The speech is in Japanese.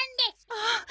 あっ！